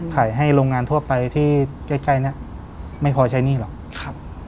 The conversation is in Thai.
ขายให้โรงงานทั่วไปที่ใกล้ไม่พอใช้หนี้หรอก